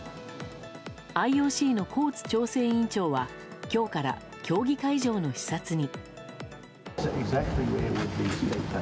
ＩＯＣのコーツ調整委員長は今日から競技会場の視察に。